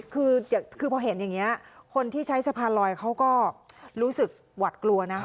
คือพอเห็นอย่างนี้คนที่ใช้สะพานลอยเขาก็รู้สึกหวัดกลัวนะคะ